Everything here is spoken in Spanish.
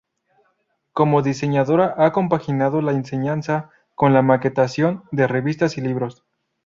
Como diseñadora ha compaginado la enseñanza, con la maquetación de revistas y libros.